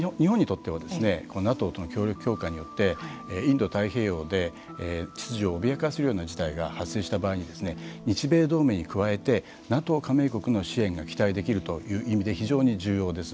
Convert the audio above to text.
他方、日本にとってはＮＡＴＯとの協力強化によってインド太平洋で秩序を脅かすような事態が発生した場合に日米同盟に加えてＮＡＴＯ加盟国の支援が期待できるという意味で非常に重要です。